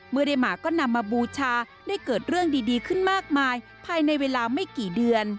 เมื่อได้มาก็นำมาบูชาได้เกิดเรื่องดีขึ้นมากมายภายในเวลาไม่กี่เดือน